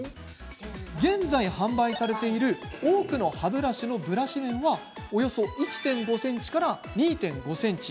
現在、販売されている多くの歯ブラシのブラシ面はおよそ１．５から２．５ｃｍ。